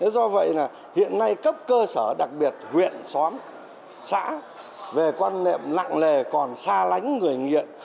do vậy hiện nay cấp cơ sở đặc biệt huyện xóm xã về quan niệm lặng lề còn xa lánh người nghiện